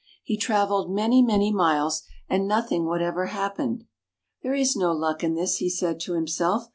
He traveled many, many miles, and noth ing whatever happened. " There is no luck in this," he said to himself.